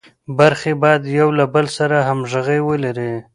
برخې باید یو له بل سره همغږي ولري.